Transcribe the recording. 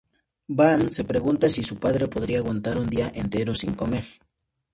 Bam se pregunta si su padre podría aguantar un día entero sin comer.